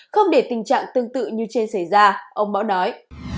không để tình trạng tương tự như trên xảy ra ông bão nói